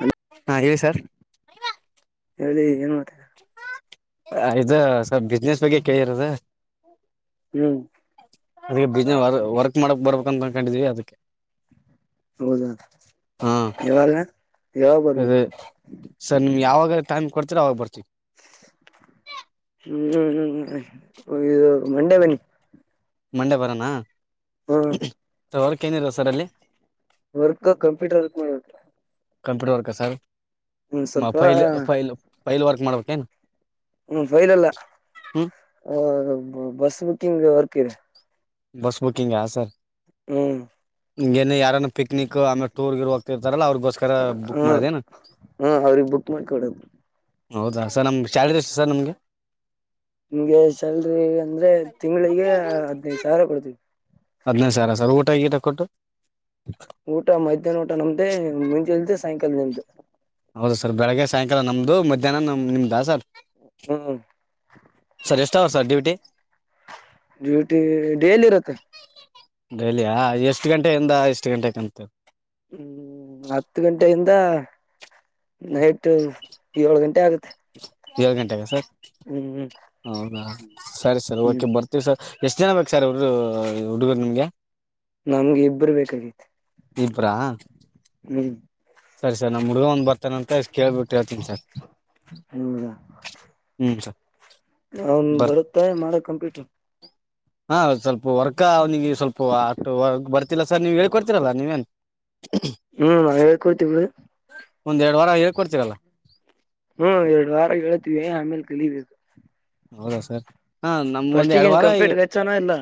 Hello ಹಾ ಹೇಳಿ sir ಹೇಳಿ ಏನ್ ಮಾಡ್ತಿದರ ಇದು ಸ್ವಲ್ ಬಿಸ್ನೆಸ್ ಬಗ್ಗೆ ಕೇಳ ಇರದ. ಹ್ಮ್ ಅದ ಬಿಸ್ ವರ್ಕ್ ಮಾಡಕ್ ಬರ್ಬೇಕಂತ ಕೊಂಡಿದೀವಿ ಅದಕ್ಕೆ ಹೌದೌದು ಹಾ ಯವ ಅದೇ ಸರ್ ನಿಮ್ಗೆ ಯಾವಾಗ ಟೈಮ್ ಕೊಡ್ತೀರ ಅವಾಗ ಬರ್ತೀವಿ ಹ್ಮ್ ಹ್ಮ್ ಹ್ಮ್ ಇದು ಮಂಡೆ ಬನ್ನಿ ಮಂಡೆ ಬರಾನ ಹ್ಮ ಸ ಅವರ್ಕ ಏನಿರ ಸರ್ ಅಲ್ಲಿ ವರ್ಕ್ ಕಂಪ್ಯೂಟರ್ ವರ್ಕ್ ಮಾಡಟ computer work sir file file file work ಮಾಡ್ಬೇಕೇನು ಹ್ಮ್ ಫೈಲ್ ಅಲ್ಲ ಹ್ಮ್ ಬಸ್ ಬುಕಿಂಗ್ ವರ್ಕ್ ಇದೆ ಬಸ್ ಬುಕಿಂಗ್ ಹ ಸರ್ ಹ್ಮ್ ಹಂಗಗೆನು ಯಾರಾನ ಪಿಕ್ನಿಕ್ ಆಮೇ ಟೂರ್ ಇರ್ರುವ ಾರಲ್ಲ ಅವ್ರಿಗೋಸ್ಕರ ಹ ಬುಕ್ ಮಾಡದೇನ ಹ ಅವ್ರಿಗೆ ಬುಕ್ ಮಾಡ್ಕೊಡದು ಹೌದಾ ಸರ್ ನಮ್ ಶ್ಯಾಲರಿ ಎಷ್ಟು ಸರ್ ನಮ್ಗೆ ನಿಮ್ಗೆ ಸ್ಯಾಲ್ರಿ ಅಂದ್ರೆ ತಿಂಗಳಿಗೆ ಹದ್ನೈದು ಸಾವಿರ ಕೊಡ್ತೀವಿ ಹದ್ಿನೈದು ಸಾವಿರ ಸರ್ ಊಟ ಗಟ ಕೊಟ್ಟು ಊಟ ಮಧ್ಯಾಹ್ನ ಊಟ ನಮ್ದೆ ಮುಂಜೆ ಇಲ್್ದೆ ಸಾಯಂಕಾಲ ನಿಮ್ದು ಹೌದಾ ಸರ್ ಬೆಳಗ್ಗೆ ಸಾಯಂಕಾಲ ನಮ್ಮದು ಮಧ್ಯಾಹ್ನ ನಮ ನಿಮ್ದಾ ಸರ್ ಹ್ಮ್ ಇ ಸರ್ ಡ್ಯೂಟಿ ಡ್ಯೂಟಿ ಡೇಲಿ ಇರುತ್ತೆ ಡೈಲಿಯ ಎಷ್ಟು ಗಂಟೆಯೆಯಿಂದ ಎಷ್ಟು ಗಂಟೆ ಕತ ಹ್ಮ್ ಹತ್ತು ಗಂಟೆಯಿಂದ ನೈಟ್ ಏಳ್ು ಗಂಟೆ ಆಗುತ್ತೆ ಎ ಗಂಟೆಗೆ ಸರ್ ಹೌದಾ ಸರಿ ಸರ್ ಹ್ಮ್ ಓಕೆ ಹ್ಮ್ ಬರ್ತೀವಿ ಸರ್ ಎಷ್ಟು ಜನ ಬೇಕು ಸರ್ ಹರು ಹುಡುಗರು ನಿಮ್ಗೆ ನಮ್ಗೆ ಇಬ್ಬರು ಬೇಕಾಗಿ ಇಪ್ರಾ ಹ್ಮ್ ಸರಿ ಸರಿ ನಮ್ಮ ಹಗ ಒಂದ ಬರ್ತಾನಂತಷ್ಟ ಕೇಳ್ಬಿಟ್ಟು ಹೇಳ್ತನಿ ಸರ್ ಹೌದಾ ಹ್ಮ ಸರ್ ಅವನ್ ಬರುತ್ತ ಮಾಡ ಕಂಪ್ಯೂಟ ಹಾ ಸ್ವಲ್ಪ ವರ್ಕ್ ಅವ್ನಿಗೆ ಸ್ವಲ್ಪ ಆ ಬರ್ತಿಲ್ಲ ಸರ್ ನೀವು ಹೇಳ್ಕೊಡ್ತಿೀರಲ್ಲ ನೀವೇನು ಹ್ಮ್ ನಾವಾಗ ಕೂರ್ತುದು ಒಂದು ಎರಡು ವಾರ ಹೇಳ್ಕೊಡ್ತೀರಲ್ಲ ಹ್ಮ್ ಎರಡು ವಾರ ಹೇತೀವಿ ಆಮೇಲೆ ಕಲಬೇಕ ಹೌದಾ ಸರ್ ಹಾ ನಮ್ಗ ಒಂದ್ ಫಸ್ಟಿಗೆ ಎರಡು ಏನ್ ವಾರ ಈಗ ಕಂಪ್ಯೂಟರ್ ಹಚ್ಚೋಣ ಇಲ್ಲ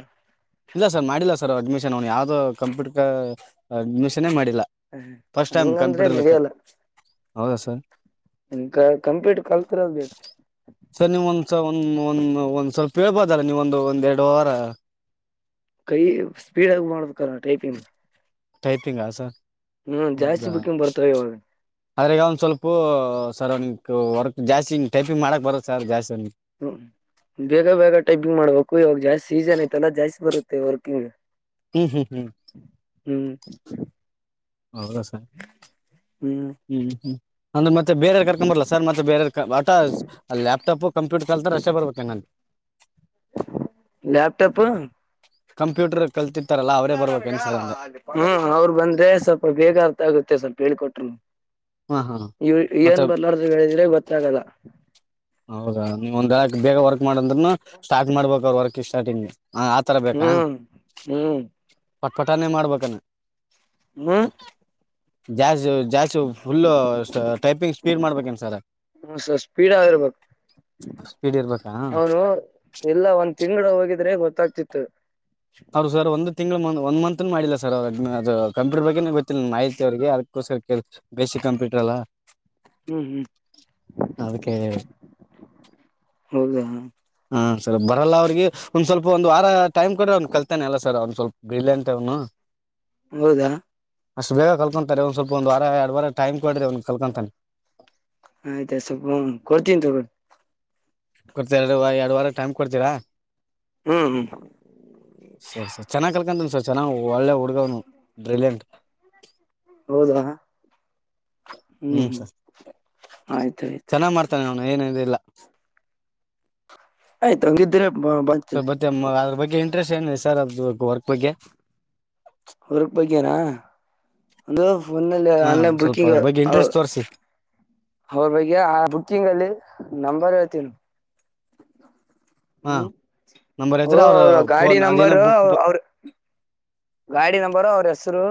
ಇಲ್ಲ ಸರ್ ಮಾಡಿಲ್ಲ ಸರ್ ಸರ್ ಅಡ್ಮಿಷನ್ ಅವನು ಯಾವ್ದೋ ಕಂಪ್ಯೂಟರ್ ಅಡ್ಮಿಷನ್ೇ ಮಾಡಿದ ಇಲ್ಲ ಫಸ್ಟ್ ಟೈಮ್ ಹಂಗಂದ್ರೆ ಕಂಪ್ಯೂಟರ್ ಹೌದಾ ಸರ್ ಹ ಕಂಪ್ೀಟ್ ಕಲ್ತಿರಲ್ ಬೇಕು ಹ್ಮ ಒಂದ ಒಂದ್ ಸ್ವಲ್ಪ ಹೇಳ್ಬೋದಲ್ಲ ನೀವೊಂದು ಒಂದ್ೆರಡು ವಾರ ಕೈ ಸ್ಪೀಡ್ ಆಗ ಮಾಡಬೇಕ ಕ ಟೈಪಿಂಗ್ ೈ್ತಿಂಗ ಸರ್ ಹ್ಮ್ ಜಾಸ್ತಿ ಬುಕ್ಕಂಗ ಬರ್ತಾವ ಇವಾಗ ಆದದ್ರಗ ಒಂದ್ ಸ್ವಲ್ಪ ಸರ್ ಅವನ ವರ್ಕ್ ಜಾಸ್ತಿ ಟೈಪಿಂಗ್ ಮಾಡಕ್ ಬರತ್ತ ಸರ್ ಜಾಸ್ತಿ ಅವನಿಗೆ ಹ್ಮ ಬೇಗ ಬೇಗ ಟೈಪಿಂಗ್ ಮಾಡ್ಬೇಕು ಇವಾಗ ಜಾಸ್ತಿ ಸೀಸನ್ ಐತಲ್ಲ ಜಾಸ್ತಿ ಬರುತ್ತೆ ವರ್ಕಿಂಗ್ ಹ್ಮ್ ಹ್ಮ್ ಹ್ಮ್ ಹ್ಮ್ ಹೌದಾ ಸರ್ ಹ್ಮ್ ಹ್ಮ್ ಅಂದ್ರೆ ಮತ್ತೆ ಬೇರ ಯಾರ್ ಕರ್ಕೊ್ ಬರ್ಲ ಸರ್ ಮತ್ತೆ ಬೇರಾರ್ ಬ ಲ್ಯಾಪ್ಟಾಪ್ ಕಂಪ್ಯೂಟರ್ ಕಲ್ಂತ ಅಷ್ಟೇ ಬರ್ಬು ಹೆಂಗಲ್ಲಿ ಲಾಪ್ಟಾಪ್ ಕಂಪ್ಯೂಟರ್ ಕಲ್ತಿ ಹ್ಮ ಅವರು ಬಂದ್ರೆ ಸ್ವಲ್ಪ ಬೇಗ ಅರ್ಥ ಆಗುತ್ತೆ ಸ್ವಲ್ಪ ಹೇಳಿಕೊಟ್ರು ಹಾ ಹಾ ಮತ್ತೆ ಏನ್ ಬರ್ಲಾರ ಹೇಳಿದ್ರೆ ಗೊತ್ತಾಗಲ್ಲ ಹೌದಾ ನೀವ್ ಒಂದ್ ಎಕ್ ಬೇಗ ವರ್ಕ್ ಮಾಡಂದ್ನು ಸ್ಟಾರ್ಟ್ ಮಾಡ್ಬೇಕ ಅವರು ವರ್ಕ್ ಸ್ಟಾರ್ಟಿಂಗ್ಗೆ ಹಾ ಆತರ ಬೇಕಾ ಹ್ಮ್ ಹ್ಮ್ ಪಟ್ ಪಟಾನೇ ಮಾಡ್ಬೇಕಾನ ಹ್ಮ ಜಾಸ್ತಿ ಜಾಸ್ತಿ ಫುಲ್ಲು ಟೈಪಿಂಗ್ ಸ್ಪೀಡ್ ಮಾಡ್ಬೇಕೇನ್ ಸರ್ ಹ್ಮ ಸಸ್ ಸ್ಪೀಡ್ ಆಗಿರ್ಬೇಕು ಸ್ಪೀಡ್ ಇರ್ಬೇಕಾ ಅವನು ಎಲ್ಲ ಒಂದ್ ತಿಂಗಳು ಹೋಗಿದ್ರೆ ಗೊತ್ತಾಗತ ಚತ್ ಹೌ್ರ ಸರ್ ಒಂದು ತಿಂ ಒನ್ ಮಂತ್ ಮಾಡಿಲ್ಲ ಸರ್ ಅವ ಅದು ಕಂಪ್ಯೂಟರ್ ಬಗ್ಗೆ ಗೊತ್ತಿಲ್ಲ ಆಹಿತಿ ಅವ್ರಿಗೆ ಅದಕ್ಕರ್ ಕಂಪ್ಯೂಟರ್ ಅಲ್ಲಾ ಹ್ಮ್ ಹ್ಮ್ ಅದಕ್ಕೆ ಹೌದಾ ಹಾಂ ಸರ್ ಬರಲ್ಲ ಅವ್ರಿಗೆ ಒಂದು ಸ್ವಲ್ಪ ಒಂದು ವಾರ ಟೈಮ್ ಕೊಡರೆ ಅವನು ಕಲ್ಿತಾನೆ ಅಲ್ಲ ಸರ್ ಅವ್ನು ಸ್ವಲ್ಪ ಬಿೀಲಿ ಅಂತ ಅವನು ಹೌದಾ ಅಷ್ಟು ಬೇಗ ಕಲ್ಕೊಂತಾರೆ ಒಂದ್ ಸ್ವಲ್ಪ ಒಂದ ವಾರ ಎರಡ್ ವಾರ ಟೈಮ್ ಕೊಡ್ರೆ ಅವ್ನ್ ಕಲ್ಕೊಂತಾನೆ ಆಯ್ತಾಯ ಸ್ವಲ್ಪ ಹ ಕೊಡ್ತೀನ್ಿ ತ ಕೊಡ್ತ ಎರಡು ಎರಡು ವಾರ ಟೈಮ್ ಕೊಡ್ತೀರಾ ಹ್ಮ್ ಹ್ಮ್ ಸರಿ ಸರ್ ಚೆನ್ನಾಗ್ ಕಲ್ಕಂತನ ಸರ್ ಚನ್ನಾಗ್ ಒಳ್ಳೆ ಹುಡುಗವ್ನು ಡ್ರಿಲಿಯಂಟ್ ಹೌದಾ ಹ್ಮ್ ಹ್ಮ್ ಆಯ್ತು ಚೆನ್ನಾಗ್ ಮಾಡ್ತಾನೆ ಅವನು ಏನಿಲ್ಲ ಆಯ್ತು ಹಂಗಿದ್ರೆ ಸರ್ ಬಂತೀವಿ ಮತ್ತೆ ಅದ್ರ ಬಗ್ಗೆ ಇಂಟ್ರೆಸ್ಟ್ ಏನಿದೆ ಸರ್ ಅದ ವರ್ಕ್ ಬಗ್ಗೆ ಹೊರಕ್ ಬಕಾರ ಒಂದು ಒಂದಲ್ಲಿ ಹಾ ಆನ್ಲೈನ್ ಸ್ವಲ್ಪ ಬುಕ್ಕಿಂಗ್ ಅದ್ರ ಬಗ್ಗೆ ಇಂಟ್ರೆಸ್ಟ್ ತೋರಿಸಿ ಅವ್ರ ಬಗ್ಗೆ ಆ ಬುಕ್ಕಿಂಗ್ ಅಲ್ಲಿ ನಂಬರ್ ಹೇತ ಹಾ ಹ್ಮ್ ನಂಬರ್ ಓ ಇದ್ರೆ ಅವ್ರ ಅವ ಗಾಡಿ ಫೋನ್ ಅದೇನೋ ನಂಬರ್ ಬುಕ್ ಅವರು ಗಾಡಿ ನಂಬರು ಅವ್ರ ಹೆಸರು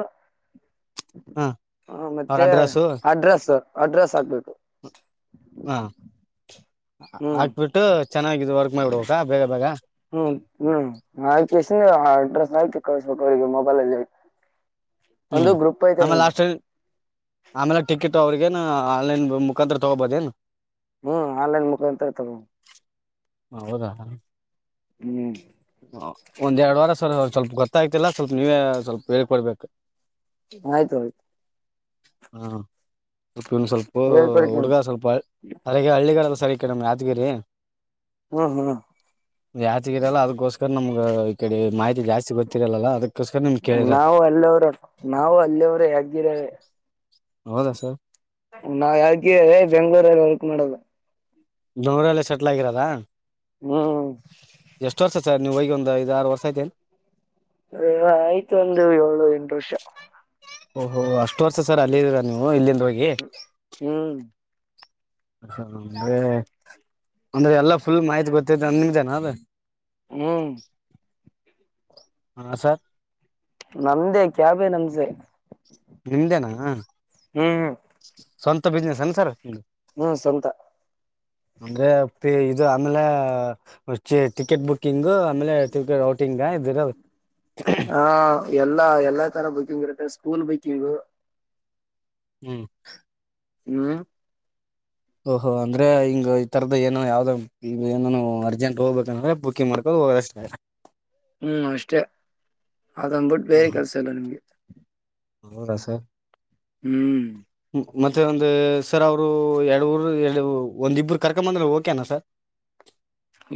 ಹಾ ಹ ಅವ್ರ ಮತ್ತೆ ಅಡ್ರೆಸ್ಸು ಅಡ್ರೆಸ್ ಅಡ್ರೆಸ್ ಹಾಕ್ಬೇಕು ಹಾ ಹ್ಮ್ ಆಕ್ಬಿಟ್ಟು ಹ್ಮ್ ಹ್ಮ್ ನಕಸ ಅಡ್ರೆಸ್ ಸಾಹಿತಿ ಕಳಸ್ಬೇಕು ಅವರಿಗೆ ಮೊಬೈಲಲ್ಲಿ ಹ್ಮ್ ಹ ಲಾಸ್ ಆಮೇಲೆ ಟಿಕೆಟ್ ಅವ್ರಗೇನ ಆನ್ಲೈನ್ ಮುಖಾಂತತ್ರ ತಗೋಬೋದೇಏ ಹ್ಮ್ ಆನ್ಲೈನ್ ಮುಖಾಂತರ ತಗೋ ಹೌದಾ ಹ್ಮ್ ಒಂದ್ ಎರಡು ವಾರ ಸರ್ ಸ್ವಲ್ಪ ಗೊತ್ತಾಯ್ತಿಲ್ಲ ಸ್ವಲ್ಪ ನೀವೇ ಸ್ವಲ್ಪ ಬೇಳ್ ಕೊಡ್ಬೇಕು ಆಯ್ತು ಆಯ್ತು ಹ ಉಪ್ಪಿನ ಸ್ವಲ್ಪ ಹೇಳ್ಕೊಡ್ತೀನಿ ಹುಡುಗ ಸ್ವಲ್ಪ ಅರಗೆ ಹಳ್ಳಿಗಲ್ಲ ಸರಿಕ ನಮ್ಗೆ ಯಾದಗಿರಿ ಹ್ಮ್ ಹ್ಮ್ ಯಾಚಗಟ್ಟಲ್ಲ ಅದು ಸರ್ ನಮ್ಗೆ ಈ ಕಡೆ ಮಾಹಿತಿ ಜಾಸ್ತಿ ಗೊತ್ತಿರಲ್ಲಲ್ಲ ಅದ ನಾವು ಅಲ್ಲಿವರು ನಾವು ಅಲ್ಲಿವರು ಆಕ್ಚುಲಿ ಹೇಗರವೆ ಹೌದಾ ಸರ್ ನಾವ ಯಾವಗ ಬೆಂಗಳೂರಲ್ಲಿ ವರ್ಕ್ ಮಾಡೋದು ನೂರಲ್ಲ ಸೆಟ್ಲ್ ಆಗಿರದಾ ಹು ಈಗ ಹೋಗಿ ಒಂದು ಐದ ಆರು ವರ್ಷ ಆಯತೇನೆ ಅಯ್ಯೋ ಆಯ್ತು ಒಂದು ಏಳು ಎಂಟು ವರ್ಷ ಓಹೋ ಅಷ್ಟು ವರ್ಷ ಸರ್ ಅಲ್ಲಿ ಇದೀರ ನೀವು ಇಲ್ಲಿಂದ ಹೋಗಿ ಹ್ಮ್ ಹ ಅಂದ್ರೆ ಅಂದ್ರೆ ಎಲ್ಲಾ ಫುಲ್ ಮಾಹಿತಿ ಗೊತ್ತತ್ತು ನಿಮ್ದೇನಾ ಅದ ಹ್ಮ್ ಹಾ ಸರ್ ನಮ್ದೇ ಕ್ಯಾಬೆ ನಮ್ಜೆ ನಿಮ್ದೆನಾ ಹ್ಮ್ ಸ್ವಂತ ಬಿಸಿನೆಸ್ ಏನ್ ಸರ್ ಹ್ಮ್ ಸ್ವಂತ ಅಂದ್ರೆ ಅಪ್ಪಿ ಆಮೇಲೆ ಛೆ ಟಿಕೆಟ್ ಬುಕಿಂಗ್ ಆಮೇಲೆ ಟಿಕೆಟ್ ಔಟಿಂಗ್ ಇದು ದೇರ ಹಾ ಎಲ್ಲಾ ಎಲ್ಲಾ ತರ ಬುಕಿಂಗ್ ಇರುತ್ತೆ ಸ್ಕೂಲ್ ಬುಕಿಂಗ್ ಹ್ಮ್ ಹಾ ಓಹೋ ಅಂದ್ರೆ ಈ ತರದ ಏನ ಯಾವ್ದ ಏನನು ಅರ್ಜೆಂಟ್ ಹೋಗ್ಬೇಕ ಅಂದ್ರೆ ಬುಕಿಂಗ್ ಮಾಡ್ಕೋ ಓ ಅಷ್ಟದ ಹ್ಮ್ ಅಷ್ಟೇ ಅದಂದ್ಬಿಟ್ಟು ಬೇರೆ ಹ ಕೆಲಸ ಇಲ್ಲ ನಿಮ್ಗೆ ಹೌದಾ ಸರ್ ಹ್ಮ್ ಮತ್ತೆ ಒಂದು ಸರ್ ಅವರು ಎರಡು ರು ಎರಡು ಒಂದ ಇಬ್ಬರು ಕರ್ಕೊಂಡು ಬಂದ್ರೆ ಓಕೆನಾ ಸರ್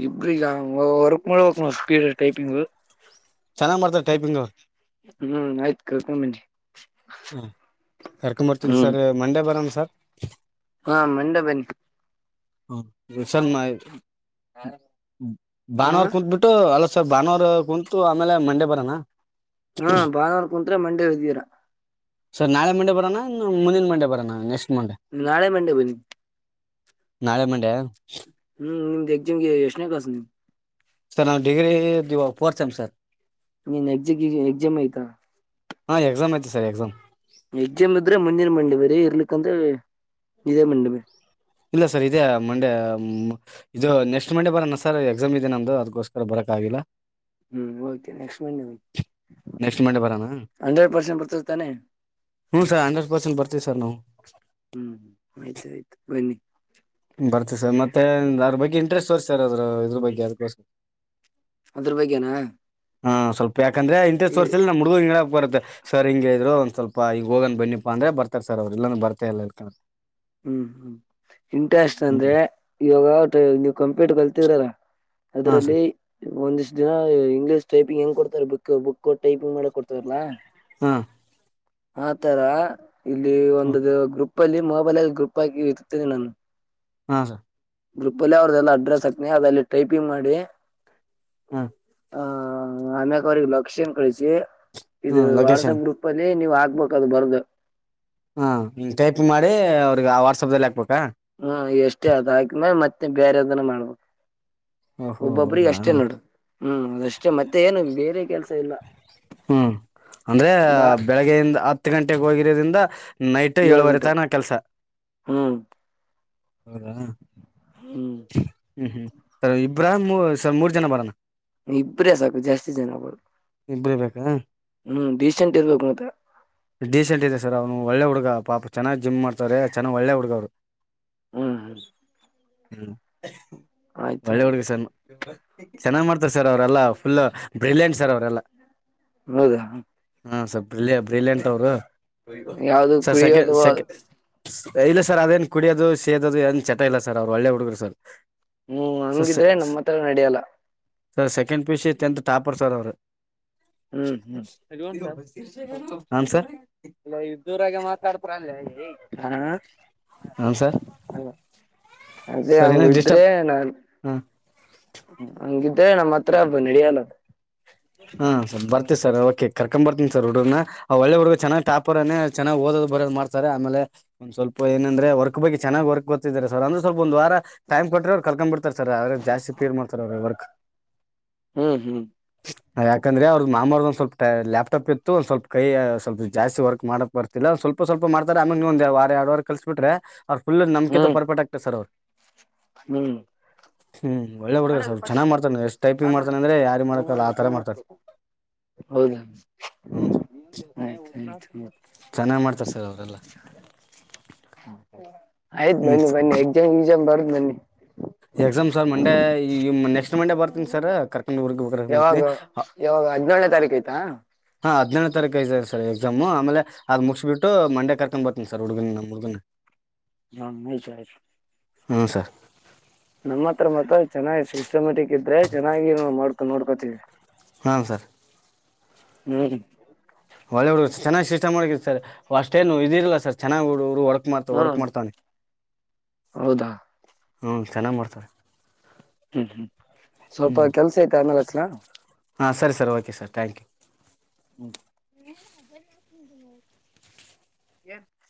ಇಬ್ರಿಗ ಒರ್ಕ್ ಮೂಡ್ಕನ ಸ್ಪೀಡ್ ಟೈಪಿಂಗ್ ಚೆನ್ನಾಗ್ ಮಾಡ್ತಾರೆ ಟೈಪಿಂಗ್ ಅವ್ರು ಹ್ಮ್ ಆಯ್ತ್ ಕಳ್ಕೊಂಬನ್ನಿ ಹಾಂ ಕರ್ಕೊಂಬರ್ತೀನಿ ಹ್ಮ್ ಸರ್ ಮಂಡೇ ಬರೋಣ ಸರ್ ಹಾ ಮಂಡೆ ಬನ್ನಿ ಬಸ್ ಮ್ಮ ಹಾ ಭಾನುವರ್ ಕುೂತ್ ಬಿಟ್ಟು ಅಲ ಸರ್ ಭಾನುವಾರ ಕುಂತು ಆಮೇಲೆ ಮಂಡೆ ಬರನಾ ಹ ಭಾನುವಾರ ಕುಂತ್ರೆ ಮಂಡೆ ಎಲ್ಲಿದ್ದೀರಾ ಸರ್ ನಾಳೆ ಮಂಡೆ ಬರೋಣ ಮುಂದಿನ ಮಂಡೆ ಬರೋಣ ನೆಕ್ಸ್ಟ್ ಮಂಡೇ ನಾಳೆ ಮಂಡೆ ಬನ್ನಿ ನಾಳೆ ಮಂಡೆ ಹ್ಮ್ ನಿಮ್ ಎಕ್ಜಮ್ಗೆ ಕ್ಲಾಸ್ ನೀವ್ ಸರ್ ನಾವು ಡಿಗ್ರಿ ಇದ ಫೋರ್ತ್ ಸೆಮ್ ಸರ್ ನೀನ್ ಎಕ್ಜಿ ಎಕ್ಸಾಮ್ ಐತ ಹಾ ಎಕ್ಸಾಮ್ ಐತೆ ಸರ್ ಎಕ್ಸಾಮ್ ಎಗ್ಜಾಮ್ ಇದ್ರೆ ಮುಂದಿನ ಮಂಡಿ ಬರೀ ಇರ್ಲಿಕ್ಕಂದ್ರೆ ಇದೇ ಮಂಡಿ ಬರೀ ಇಲ್ಲ ಸರ್ ಇದೆ ಮಂಡೆ ಇದು ನೆಕ್ಸ್ಟ್ ಮಂಡೆ ಬರೋಣ ಸರ್ ಎಕ್ಸಾಮ್ ಇದೆ ನಮ್ದು ಅದಕ್ಕೋಸ್ಕರ ಬರಕ್ ಆಗಿಲ್ಲ ಹ್ಮ್ ಓಕೆ ನೆಕ್ಸ್ಟ್ ಮಂಡೆ ಬನ್ನಿ ನೆಕ್ಸ್ಟ್ ಮಂಡೇ ಬರೋಣ ಹಂಡ್ರೆಡ್ ಪರ್ಸೆಂಟ್ ಬರ್ತಿಸ್ತಾನೆ ಹ್ಞೂ ಸರ್ ಹಂಡ್ರೆಡ್ ಪರ್ಸೆಂಟ್ ಬರ್ತೀವಿ ಸರ್ ನಾವು ಹ್ಮ್ ಆಯ್ತು ಆಯ್ತು ಬನ್ನಿ ಬರ್ತ ಸರ್ ಮತ್ತೆ ಅ್ರ ಬಗ್ಗೆ ಇಂಟ್ರೆಸ್ಟ್ ಸರ್ ಸರ್ ಅದ್ರ ಇದ್ರ ಬಗ್ಗೆ ಅದಕೋಸ್ಕ ಅದ್ರ ಬಗ್ಗೆ ನಾ. ಹಾ ಸ್ವಲ್ಪ ಯಾಕಂದ್ರೆ ಇಂಟೆಸ್ ವರ್ಸಲ್ ನಮ್ ಹಡ್ಗುಡ ಬರುತ್ತ ಸರ್ಿಂಗ ಇದ್ರು ಒಂದ ಸ್ವಲ್ಪ ಈಗ ಹೋಗಂದ್ ಬನ್ನಿಪ್ಪ ಅಂದ್ರೆ ಬರ್ತಾರ್ ಸರ್ ಅವರು ಇಲ್ಲಂದ ಬರ್ತಾಲ್ಲ ಇಳ್ಕ ಹ್ಮ್ ಹ್ಮ್ ಇಂಟ್ರಸ್ಟ್ ಅಂದ್ರೆ ಹ್ಮ್ ಇವಾಗ ನೀವ್ ಕಂಪ್ಯೂಟ್ರ್ ಕಲ್ತಿದ್ರಲ್ಲ ಹಾ ಸರ್ ಅದ್ರಲ್ಲಿ ಒಂದಿಷ್ಟು ದಿನ ಇಂಗ್ಲೀಷ್ ಟೈಪಿಂಗ್ ಹ್ ಕೊಡ್ತಾರೆ ಬುಕ್ ಬುಕ್ ಟೈಪಿಂಗ್ ಮಾಡಕ್ ಕೊಡ್ತವಾರಲ್ಲಾ ಹ್ಮ ಆತರ ಇಲ್ಲಿ ಒಂದು ಹ್ಮ್ ಗ್ರೂಪ್ ಅಲ್ಲಿ ಮೊಬೈಲ್ ಅಲ್ಲ್ ಗ್ರೂಪ್ ಆಗಿ ಇತ್ತೇನೆ ನಾನು ಅಹಾ ಗ್ರೂಪ್ ಅಲ್ಲಿ ಅವ್ರ್ದಲ್ಲ ಅಡ್ರೆಸ್ ಹಾಕ್ನಿ ಅದಲ್ಲಿ ಟೈಪಿಂಗ್ ಮಾಡಿ. ಹ್ಮ ಆ ಅಮ್ಯಕ ಅವ್ರರಿಗೆ ಲಕ್ಷ್ಯನ್ ಕಳಿಸಿ ಇದು ಹ್ಮ್ ಲೊಕೇಶನ್ ವಾಟ್ಸಪ್ ಗ್ರೂಪ್ ಅಲ್ಲಿ. ನೀವ್ ಆಕ್ಬೇಕ ಅದು ಬರ್ದು. ಹಾ ಹ್ ಟೈಪಿಂಗ್ ಮಾಡಿ ಅವ್ರಿಗೆ ಆ ವಾಟ್ಸ್ಆಪ್ ದಲ್ಲಿ ಹಾಕ್ಬೇಕು. ಹ್ಮ ಎಷ್ಟೇ ಅದ ಹಾಕ್ಮೇಲೆ ಮತ್ತೆ ಬೇರೆದನ್ನ ಮಾಡ್ಬೇಕು. ಓಹೋ ಒಬ್ಬೊಬ್ರಿಗ ಹೌದಾ ಅಷ್ಟೇ ನೋಡು ಹ್ಮ್ ಅದಷ್ಟೇ ಮತ್ತೆ ಏನು ಬೇರೆ ಕೆಲ್ಸ ಇಲ್ಲ. ಹ್ಮ್ ಅಂದ್ರೆ ಬಾ ಬೆಳಗ್ಗೆಯಿಂದ ಹತ್ತು ಗಂಟೆಗೆ ಹೋಗಿರೋದ್ರಿಂದ. ನೈಟ್ ಏಳು ಏಳುವರೆ ಗಂಟೆ ತಾನ ಕೆಲ್ಸ. ಹ್ಮ್ ಹ್ಮ್ ಹ್ಮ್ ಹ್ಮ್ ಸರ್ ಇಬ್ಬ್ರಾಹಾಮ್ ಸ ಮೂರ್ ಜನ ಬರೋಣ. ಇಬ್ರೇ ಸಾಕು ಜಾಸ್ತಿ ಜನ ಬು ಇಬ್ರೇ ಬೇಕ ಇರ್ಬೇಕು ಮತ್ತೆ ಡೀಸೆಂಟ್ ಇದ್ದ ಸಾ ಒಳ್ಳೆ ಹುಡುಗ. ಪಾಪ ಚೆನ್ನಾಗಿ ಜಿಮ್ ಮಾಡ್ತಾರೆ ಚೆನ್ನಾಗ್ ಒಳ್ಳೆ ಹುಡುಗ ಅವ್ರು. ಹ್ಮ್ ಹ್ಮ್ ಆಯ್ತು ಒಳ್ಳೆ ಹುಡುಗ ಆಯ್ತು ಸರ್ ಚೆನ್ನಾಗ್ ಮಾಡ್ತಾರೆ ಸರ್. ಅವರೆಲ್ಲಾ ಫುಲ್ ಬ್ರಿಲಿಯಂಟ್ ಸರ್ ಅವರೆಲ್ಲ. ಹೌದಾ ಹಾಂ ಸರ್ ಬ್ರಿಲಿಯ ಬ್ರಿಲಿಯಂಟ್ ಅವರು ಯಾವ್ದು ಸರ್ ಸೆಕೆ ಕುಡಿಯೋದು ಸೆಕೆ ಇಲ್ಲ ಸರ್ ಅದೇನ್ ಕುಡಿಯೋದು ಸೇದದು ಏನ್ ಚಟ ಇಲ್ಲ ಸರ್ ಅವ್ರು ಒಳ್ಳೆ ಹುಡುಗರು ಸರ್. ಹ್ಮ್ ಹಂಗಿದ್ರೆ ಸರ್ ನಮ್ಮ ಹತ್ರ ನಡಿಯಲ್ಲ. Sir second PUC tenth topper sir ಅವರು. [unintelligible] ಹ್ಮ್ ಹ್ಮ್ ಅದು ಹಾಂ ಸರ್ ಉಂಟಾಲ್ಲ ದೂರಾಗ ಮಾತಾಡ್ಪ್ರ ಅಲ್ಲೆ. ಹಾ ಹಾಂ ಸರ್ ಹ ಅದೇ ಸರ್ ಹಂಗ ಏನೋ ಇದ್ರೆ ಡಿಸ್ಟರ್ಬ್ ನಾನ್ ಹಾಂ ಹಂಗಿದ್ರೆ ನಮ್ಮ ಹತ್ರಬ ನಡಿಯಲ್ಲ. ಹಾ ಸ ಬರ್ತೀವ್ ಸರ್ ವ ಕರ್ಕೊಂಡ್ ಬರ್ತಿ ಸರ್ ಹುಡುಗರನ ಒಳ್ಳ ಹುಡುಗ ಚೆನಾಗ್ ಟಾಪರೇನೆ ಚೆನಗ ಓದದು ಬರಯೋದು ಮಾಡ್ತಾರೆ ಆಮೇಲೆ. ಸ್ವಲ್ಪ ಏನಂದ್ರೇ ವರ್ಕ್ ಬಗ್ಗೆ ಚೆನ್ನಾಗಿ ವರ್ಕ್ ಗೊತಿದಾರೆ ಸರ್ ಅಂದ್ರೆ ಸ್ವಲ್ಪ ಒಂದು ವಾರ ಟೈಮ್ ಕೊಟ್ರೇ ಕಲತ್ಕೋಂಬಿ [unintelligible] ಅವ್ರೆ ಜಾಸ್ತಿ ಪೀಡ್ ಮಾಡ್ತಾರೆ ಅವ್ರೆ ವರ್ಕ್. ಹ್ಮ್ ಹ್ಮ್ ಯಾಕಂದ್ರ ಅವ್ರದ ಮಾಮೋರ್ ಸ್ವಲ್ಪ ಲ್ಯಪ್ ಟಾಪ್ ಇತ್ತು ಸ್ವಲ್ಪ ಕೈಯ ಸ್ವಲ್ಪ ಜಾಸ್ತಿ ವರ್ಕ್ ಮಾಡಕ್ ಬರ್ತಿಲ್ಲ ಸ್ವಲ್ಪ ಸ್ವಲ್ಪ ಮಾಡತರೆ ಆಮೆಗಿಂದ ಯಾವ ಬಾರೆ ಎರಡವಾರ ಕಲಿಸ ಬಿಟ್ರೆ ಅವ್ರು ಫುಲ್ ನಂಗಿಂತ ತ ಹ್ಮ್ ಪರ್ ಪೆಕ್ಟ ಆಗ್ತತೆ ಸರ್ ಅವರು. ಹ್ಮ್ ಹ್ಮ್ ಒಳ್ಳೆ ಹಡುಗರ್ ಸರ್ ಚೆನ್ನಗ ಮಾಡ್ತಾನೆ ಎಷ್ಟ ಟೈಪಿಂಗ್ ಮಾಡ್ತಾನೆ ಅಂದ್ರೆ ಯಾರು ಮಾಡಕಲ್ಲ ಆ ತರ ಮಾಡತಾರನೆ. ಹೌದ [inaudible] ಹ್ಮ್ ಸರ್ ಚೆನ್ನಾಗ್ ಮಾಡ್ತಾರೆ ಸರ್ ಅವರೆಲ್ಲ ಆಯ್ತು ಹ್ಮ್ ಸರ್ ಬನ್ನಿ ಬನ್ನಿ ಎಕ್ಸಾಮ್ ಎಕ್ಸಾಮ್ ಬರ್ದು ಬನ್ನಿ ಎಕ್ಸಾಮ್ ಸರ್ ಮಂಡೆ ಈ ನೆಕ್ಸ್ಟ್ ಮಂಡೆ ಬರ್ತೀನಿ ಸರ್ ಕರ್ಕಂಡ್ ಊರ್ ಬತಿನಿ. ಯಾವಾಗ [unintelligible] ಯಾವಾಗ ಹದಿನೇಳನೇ ತಾರೀಕು ಆಯ್ತಾ ಹಾ ಹದಿನೇಳನೇ ತಾರಿಕ್ ಐತೆ ಸರ್ ಎಕ್ಸಾಮು ಅಮೇಲೆ ಆದ್ ಮುಗಿಸಬಿಟ್ಟು ಮಂಡೆ ಕರ್ಕೋಂಡ್ ಬರ್ತನಿ ಸರ್ ಹುಗನ ನಮ್ಮ ಹುಡುಗನ. [unintelligible] ಹ್ಮಞ ಸರ್ ನಮ್ಮ ಹತ್ರ ಮತ್ತ ಚೆನ್ನ್ ಸಿಸ್ಟಮೆಟಿಕ್ ಇದ್ರೆ ಚೆನ್ನಾಗಿ ಮಾಡಕ ನೋಡ್ಕೋತೀವಿ. ಹಾಂ ಸರ್ ಹ್ಮ್ ಒಳ್ಳೆ ಹಡು ಚೆನ್ನಾಗಿ ಸಿಸ್ಟಮ್ ಮಾಡಕಿದ್ ಸರ್ ಅಷ್ಟೇನು ಇ ಇದ ಇಲ್ಲ ಸರ್ ಚೆನ್ನಾಗಿರು ಹೊ ಮಾತ ವರ್ಕ್ ಹ್ಮ್ ಮಾಡ್ತಾನೆ ಹೌದಾ ಹ ಚೆನ್ನಾಗ್ ಮಾಡ್ತಾನೆ. ಹ್ಮ್ ಹ್ಮ್ ಸ್ವಲ್ಪ ಕೆಲ್ಸ ಐತೆ ಆಮೇಲೆ ಹಚ್ಚಲಾ ಹಾ ಸರಿ sir okay sir thank you okay [unintelligible]